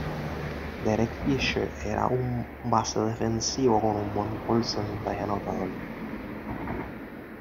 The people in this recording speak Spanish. Derek Fisher era un base defensivo con un buen porcentaje anotador.